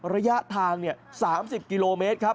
ระยะทาง๓๐กิโลเมตร